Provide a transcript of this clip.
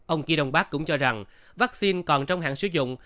ông kỳ đông bắc cũng cho rằng vaccine còn trong hạn sử dụng